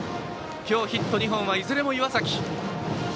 今日、ヒット２本はいずれも岩崎。